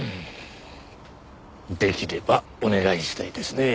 出来ればお願いしたいですね。